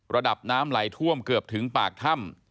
ระดับน้ำไหลท่วมเกือบถึงปากถ้ำ